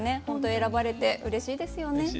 本当選ばれてうれしいですよね。